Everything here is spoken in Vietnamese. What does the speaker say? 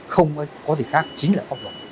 không có gì khác chính là công đồng